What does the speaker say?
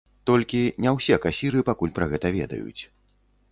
Толькі не ўсе касіры пакуль пра гэта ведаюць.